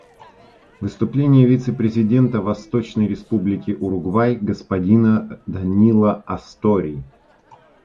Выступление вице-президента Восточной Республики Уругвай господина Данило Астори.